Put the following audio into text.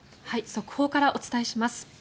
速報からお伝えします。